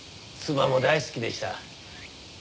妻も大好きでした。